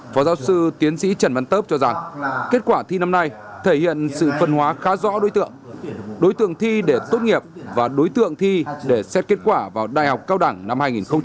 phó giáo sư tiến sĩ trần văn tớp cho rằng kết quả thi năm nay thể hiện sự phân hóa khá rõ đối tượng đối tượng thi để tốt nghiệp và đối tượng thi để xét kết quả vào đại học cao đẳng năm hai nghìn hai mươi